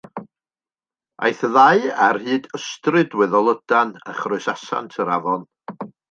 Aeth y ddau ar hyd ystryd weddol lydan, a chroesasant yr afon.